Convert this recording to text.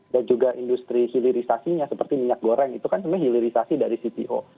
dan juga industri hilirisasinya seperti minyak goreng itu kan sebenarnya hilirisasi dari cto